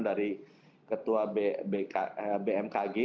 dari ketua bmkg